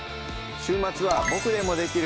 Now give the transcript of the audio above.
週末は「ボクでもできる！